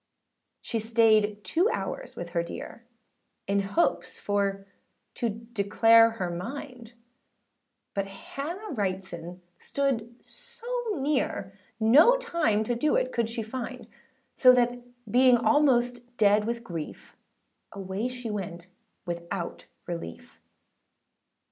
She stayed two hours with her dear, In hopes for to declare her mind; But Hannah Wrightson {108a} stood so near, No time to do it she could find: So that being almost dead with grief, Away she went without relief.